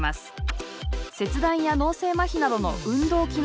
切断や脳性まひなどの運動機能障害。